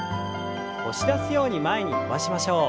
押し出すように前に伸ばしましょう。